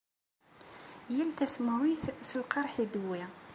Yal tasemhuyt s lqerḥ i d-tewwi.